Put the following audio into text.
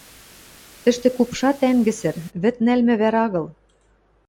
тӹштӹ купшат ӓнгӹсӹр, вӹд нӓлмӹ вӓр агыл.